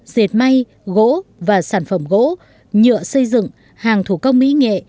dệt may gỗ và sản phẩm gỗ nhựa xây dựng hàng thủ công mỹ nghệ